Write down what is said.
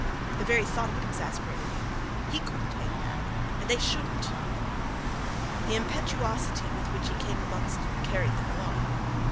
The very thought of it exasperated him. He couldn't hang back. They shouldn't. The impetuosity with which he came amongst them carried them along.